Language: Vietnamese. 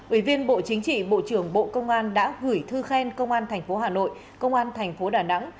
ủy viên bộ chính trị bộ trưởng bộ công an đã gửi thư khen công an tp hà nội công an thành phố đà nẵng